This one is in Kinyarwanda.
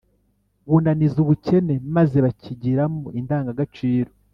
bunazira ubukene maze bakigiramo indangagaciro